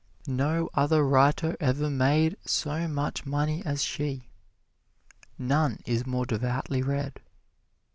No other writer ever made so much money as she, none is more devoutly read.